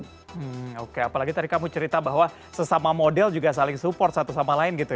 hmm oke apalagi tadi kamu cerita bahwa sesama model juga saling support satu sama lain gitu